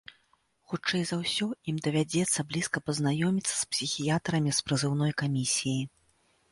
Хутчэй за ўсё ім давядзецца блізка пазнаёміцца з псіхіятрамі з прызыўной камісіі.